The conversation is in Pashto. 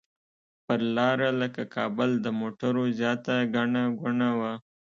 پر لاره لکه کابل د موټرو زیاته ګڼه ګوڼه وه.